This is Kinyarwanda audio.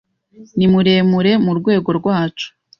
ni muremure murwego rwacu.